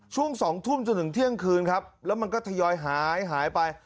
ช่วง๒ทุ่มจนถึงเที่ยงคืนครับแล้วมันก็ทยอยหายหายไป